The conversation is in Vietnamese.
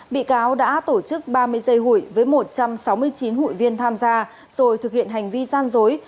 bị cáo đã tổ chức ba mươi giây hụi với một trăm sáu mươi chín hụi viên tham gia rồi thực hiện hành vi gian dối